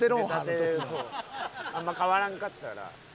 あんま変わらんかったから。